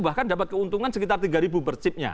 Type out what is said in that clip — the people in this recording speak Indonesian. bahkan dapat keuntungan sekitar tiga per chipnya